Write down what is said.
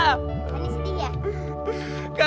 ani sedih ya